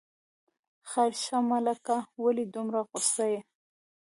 خیر شه ملکه، ولې دومره غوسه یې.